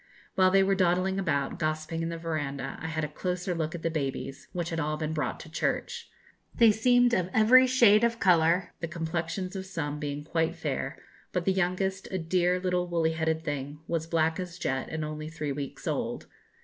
While they were dawdling about, gossiping in the verandah, I had a closer look at the babies, which had all been brought to church. They seemed of every shade of colour, the complexions of some being quite fair, but the youngest, a dear little woolly headed thing, was black as jet, and only three weeks old.